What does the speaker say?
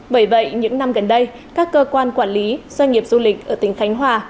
bởi vậy những năm gần đây các cơ quan quản lý doanh nghiệp du lịch ở tỉnh khánh hòa